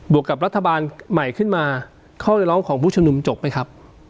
วกกับรัฐบาลใหม่ขึ้นมาข้อเรียกร้องของผู้ชมนุมจบไหมครับ